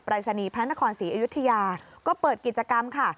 รายศนีย์พระนครศรีอยุธยาก็เปิดกิจกรรมค่ะ